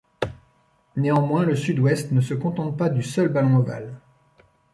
Néanmoins, le sud-ouest ne se contente pas du seul ballon ovale.